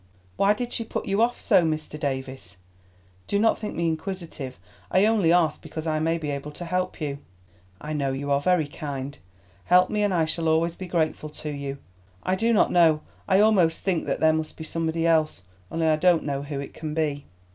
"Why did she put you off so, Mr. Davies? Do not think me inquisitive. I only ask because I may be able to help you." "I know; you are very kind. Help me and I shall always be grateful to you. I do not know—I almost think that there must be somebody else, only I don't know who it can be."